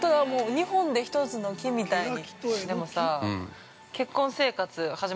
２本で１つの木みたいに。